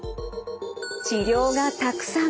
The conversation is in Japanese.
治療がたくさん。